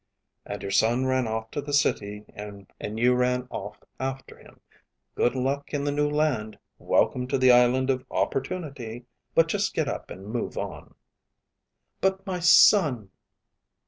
"And your son ran off to the City and you ran off after him. Good luck in the New Land; welcome to the island of Opportunity. But just get up and move on." "But my son...."